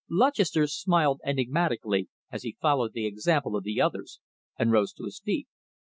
Lutchester smiled enigmatically as he followed the example of the others and rose to his feet.